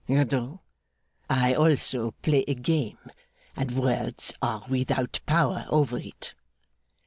You do? I also play a game, and words are without power over it.